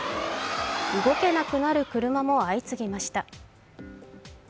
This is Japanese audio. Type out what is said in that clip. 動けなくなる車も相次ぎました。